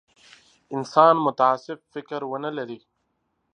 انسان متعصب فکر ونه لري.